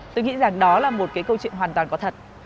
tôi nghĩ rằng đó là một cái câu chuyện hoàn toàn có thật